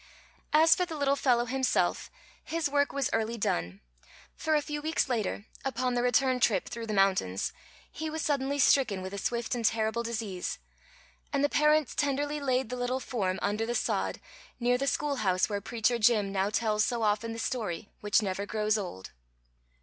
As for the little fellow himself, his work was early done, for a few weeks later, upon the return trip through the mountains, he was suddenly stricken with a swift and terrible disease, and the parents tenderly laid the little form under the sod near the schoolhouse where Preacher Jim now tells so often the story, which never grows old.